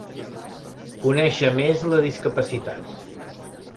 «Conèixer més la discapacitat».